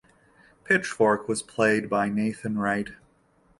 Pitchfork was played by Nathan Wright.